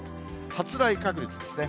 発雷確率ですね。